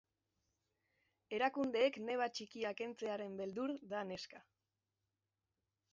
Erakundeek neba txikia kentzearen beldur da neska.